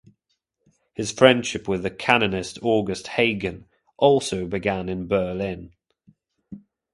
His friendship with the canonist August Hagen also began in Berlin.